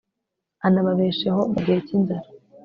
anababesheho mu gihe cy'inzara